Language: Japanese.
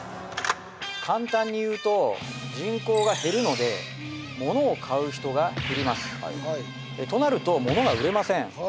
簡単にいうと人口が減るのでモノを買う人が減りますとなるとモノが売れません